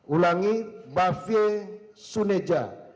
ulangi bafie suneja